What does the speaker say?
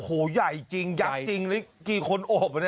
โอ้โฮใหญ่จริงยักษ์จริงนี่กี่คนโอบนี่